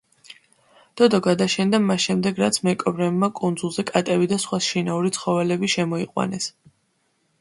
დოდო გადაშენდა მას შემდეგ რაც მეკობრეებმა კუნძულზე კატები და სხვა შინაური ცხოველები შემოიყვანეს.